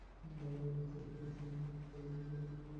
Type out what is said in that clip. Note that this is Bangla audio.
তিনি সেন্ট ফেইথের প্রস্তুতিমূলক স্কুলে একদিনের ছাত্র হিসেবে শুরু করেন।